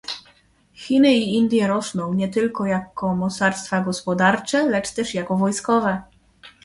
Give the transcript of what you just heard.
Chiny i Indie rosną - nie tylko jako mocarstwa gospodarcze, lecz też jako wojskowe